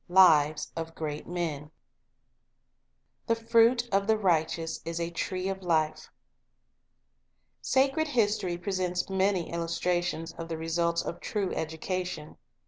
Lives of Great Me 11 'THE FRUIT OF THE RICH I KOI s IS A TREE OF LIFE" O ACRED history presents many illustrations of the ^ results of true education.